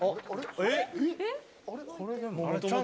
えっ！